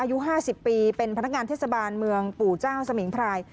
อายุ๕๐ปีเป็นพนักงานเทศบาลเมืองปู่เจ้าสมิงพราย